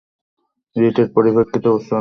রিটের পরিপ্রেক্ষিতে উচ্চ আদালত রুল জারি করেছেন।